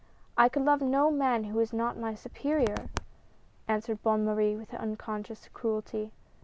" "I could love no man who was not my superior!" answered Bonne Marie with unconscious cruelty.